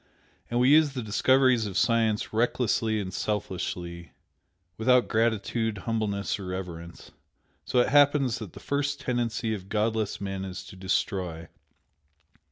And we use the discoveries of science recklessly and selfishly without gratitude, humbleness or reverence. So it happens that the first tendency of godless men is to destroy.